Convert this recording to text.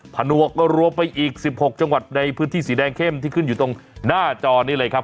ผนวกก็รวมไปอีก๑๖จังหวัดในพื้นที่สีแดงเข้มที่ขึ้นอยู่ตรงหน้าจอนี้เลยครับ